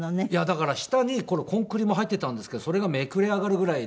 だから下にこれコンクリも入っていたんですけどそれがめくれ上がるぐらいで。